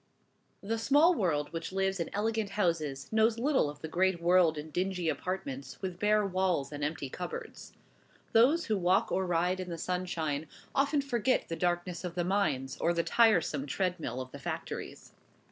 The small world which lives in elegant houses knows little of the great world in dingy apartments with bare walls and empty cupboards. Those who walk or ride in the sunshine often forget the darkness of the mines, or the tiresome treadmill of the factories.